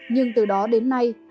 nhưng từ đó đến nay